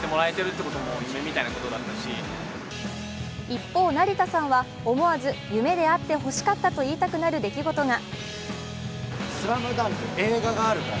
一方、成田さんは思わず夢であってほしかったと言いたくなる出来事が。